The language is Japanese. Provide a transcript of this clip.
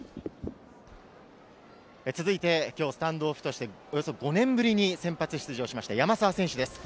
今日、スタンドオフとしておよそ５年ぶりに先発出場しました、山沢選手です。